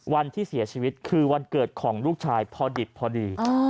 วันที่เสียชีวิตคือวันเกิดของลูกชายพอดิบพอดี